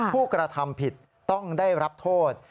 ผู้กระทำผิดต้องได้รับโทษ